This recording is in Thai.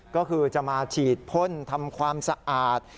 ก็คือจะมาฉีดพ่นทำความสะอาด